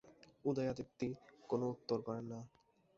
উদয়াদিত্য কোনো উত্তর করেন না।